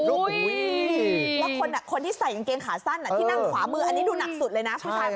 แล้วคนที่ใส่กางเกงขาสั้นที่นั่งขวามืออันนี้ดูหนักสุดเลยนะผู้ชาย